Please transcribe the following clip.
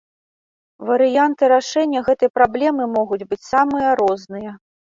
Варыянты рашэння гэтай праблемы могуць быць самыя розныя.